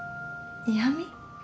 嫌み？